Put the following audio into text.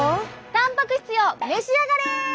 たんぱく質よ召し上がれ！